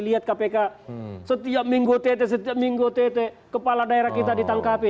lihat kpk setiap minggu tt setiap minggu tt kepala daerah kita ditangkapin